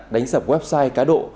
đánh sập website cá độ